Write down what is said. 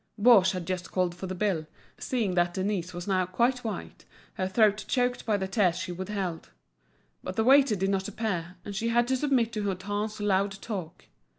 Baugé had just called for the bill, seeing that Denise was now quite white, her throat choked by the tears she withheld; but the waiter did not appear, and she had to submit to Hutin's loud talk.